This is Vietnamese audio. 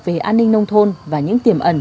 về an ninh nông thôn và những tiềm ẩn